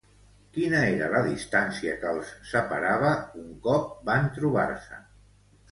Quina era la distància que els separava un cop van trobar-se?